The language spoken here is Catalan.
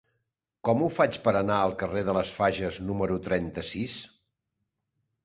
Com ho faig per anar al carrer de les Fages número trenta-sis?